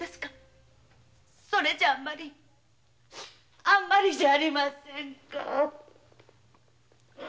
それじゃああんまりじゃありませんか。